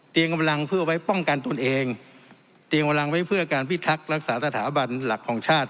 กำลังเพื่อไว้ป้องกันตนเองเตรียมกำลังไว้เพื่อการพิทักษ์รักษาสถาบันหลักของชาติ